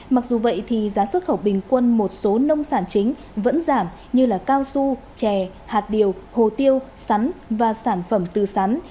mặc dù vậy thì giá xuất khẩu bình quân một số nông sản chính vẫn giảm như cao su chè hạt điều hồ tiêu sắn và sản phẩm từ sắn